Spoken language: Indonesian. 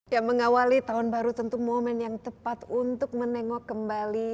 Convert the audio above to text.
ya mengawali tahun baru tentu momen yang tepat untuk menengok kembali